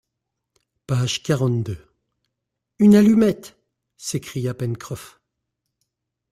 Page quarante-deux. « Une allumette! s’écria Pencroff.